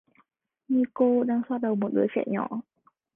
Như cô đang xoa đầu một đứa trẻ nhỏ